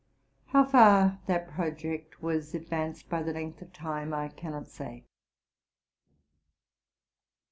How far that project was advanced by the length of time, I cannot say.